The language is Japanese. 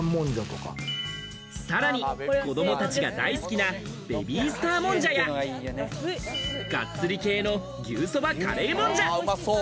さらに子供たちが大好きなベビースターもんじゃや、がっつり系の牛そばカレーもんじゃ。